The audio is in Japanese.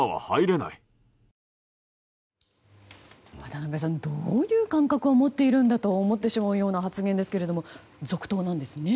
渡辺さん、どういう感覚を持っているんだと思ってしまいますけど続投なんですね。